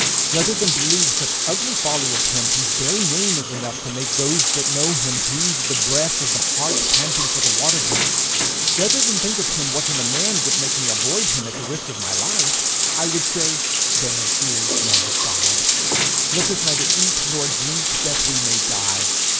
Rather than believe such ugly folly of him whose very name is enough to make those that know him heave the breath of the hart panting for the waterbrooks; rather than think of him what in a man would make me avoid him at the risk of my life, I would say, 'There is no God; let us neither eat nor drink, that we may die!